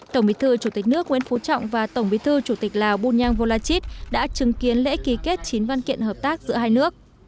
tổng bí thư chủ tịch nước nguyễn phú trọng và tổng bí thư chủ tịch lào bunyang volachit đã chứng kiến lễ ký kết chín văn kiện hợp tác giữa hai nước